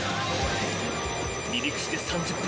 ［離陸して３０分］